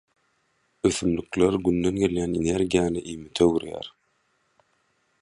Ösümlikler günden gelýän energiýany iýmite öwürýär.